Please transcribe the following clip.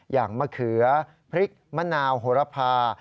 มะเขือพริกมะนาวโหระพา